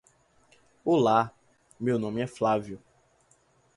Olá, meu nome é Flavio